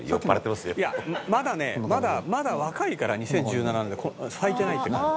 「まだねまだ若いから２０１７年で咲いてないっていうか」